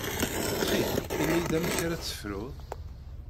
Ttxil ini-yi-d amek ara tefruḍ.